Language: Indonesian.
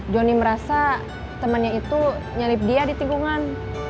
jonny merasa temennya itu nyelip dia di tinggungan